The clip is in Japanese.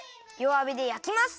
わびでやきます。